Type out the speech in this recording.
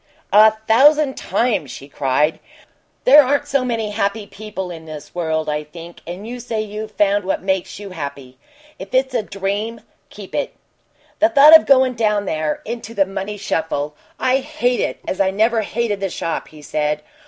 "A thousand times!" she cried. "There aren't so many happy people in this world, I think and you say you've found what makes you happy. If it's a dream keep it!" "The thought of going down there into the money shuffle I hate it as I never hated the shop!" he said.